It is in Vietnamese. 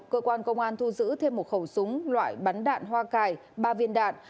cơ quan công an thu giữ thêm một khẩu súng loại bắn đạn hoa cài ba viên đạn